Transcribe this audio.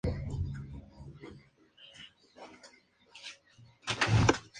Por ello, en varios lugares de España hubo candidaturas conjuntas.